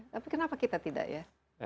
tapi kenapa kita tidak ya